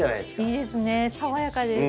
いいですね爽やかで。